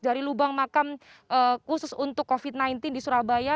dari lubang makam khusus untuk covid sembilan belas di surabaya